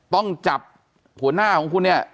ต้องจับหัวหน้าของคุณเนี่ย